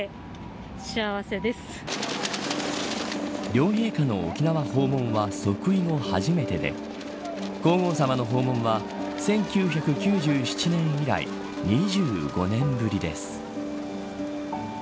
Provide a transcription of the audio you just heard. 両陛下の沖縄訪問は即位後初めてで皇后さまの訪問は１９９７年以来２５年ぶりです。